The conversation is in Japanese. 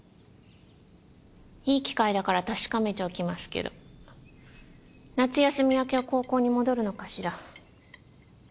いい機会だから確かめておきますけど夏休み明けは高校に戻るのかしら？